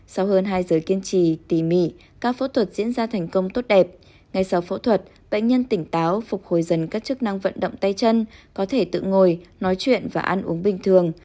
sau hơn hai giờ kiên trì tỉ mỉ các phẫu thuật diễn ra thành công tốt đẹp ngay sau phẫu thuật bệnh nhân tỉnh táo phục hồi dần các chức năng vận động tay chân có thể tự ngồi nói chuyện và ăn uống bình thường